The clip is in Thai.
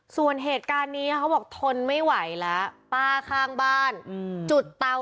ส่วนเหตุการณ์นี้เล่าบอกทนไม่ไหวแล้วป้าธุรกิจครองข้างบ้านจุดแปลว